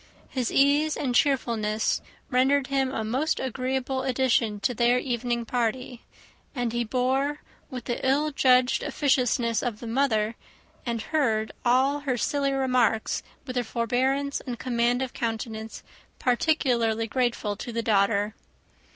His ease and cheerfulness rendered him a most agreeable addition to their evening party; and he bore with the ill judged officiousness of the mother, and heard all her silly remarks with a forbearance and command of countenance particularly grateful to the daughter.